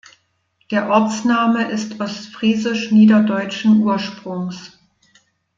Der Ortsname ist ostfriesisch-niederdeutschen Ursprungs.